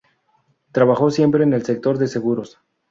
Trabajó siempre en el sector de seguros.